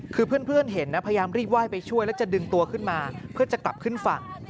คือเพื่อนเห็นนะพยายามรีบไหว้ไปช่วยแล้วจะดึงตัวขึ้นมาเพื่อจะกลับขึ้นฝั่ง